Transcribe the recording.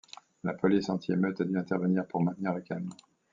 La police antiémeutes a dû intervenir pour maintenir le calme.